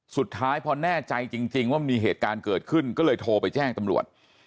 สุดท้ายพอแน่ใจจริงว่ามีเหตุการณ์เกิดขึ้นก็เลยโทรไปแจ้งตำรวจ